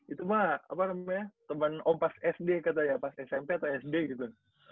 itu mah temen om pas sd katanya pas smp atau sd gitu